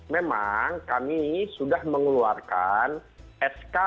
memang kami sudah mengeluarkan sk